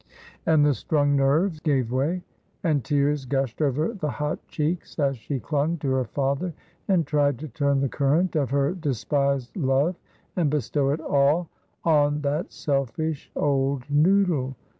And the strung nerves gave way, and tears gushed over the hot cheeks, as she clung to her father, and tried to turn the current of her despised love and bestow it all on that selfish old noodle.